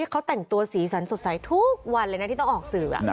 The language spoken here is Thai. เขาแต่งตัวสีสันสดใสทุกวันเลยนะที่ต้องออกสื่อ